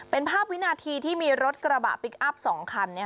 เป็นภาพวินาทีที่มีรถกระบะพลิกอัพ๒คัน